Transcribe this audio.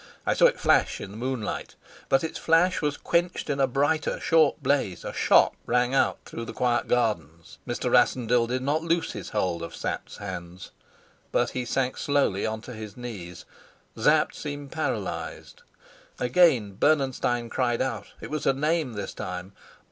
I saw it flash in the moonlight, but its flash was quenched in a brighter short blaze. A shot rang out through the quiet gardens. Mr. Rassendyll did not loose his hold of Sapt's hands, but he sank slowly on to his knees. Sapt seemed paralyzed. Again Bernenstein cried out. It was a name this time.